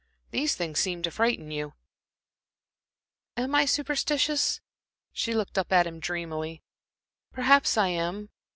These things seem to frighten you." "Am I superstitious?" She looked up at him dreamily. "Perhaps I am.